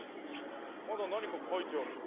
まだなにかかいてあるぞ。